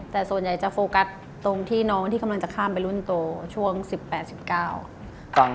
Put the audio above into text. แต่ส่วนใหญ่จะโฟกัสตรงที่น้องที่กำลังจะข้ามไปรุ่นโตช่วง๑๘๑๙